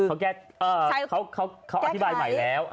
เขาแก้เออเขาอธิบายใหม่แล้ว